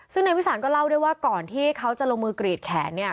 ซึ่งนายวิสานก็เล่าด้วยว่าก่อนที่เขาจะลงมือกรีดแขนเนี่ย